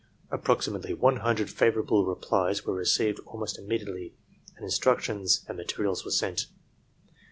Approximately one hundred favorable replies were received almost immediately and instructions and materials were sent.